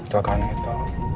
itu kan gitu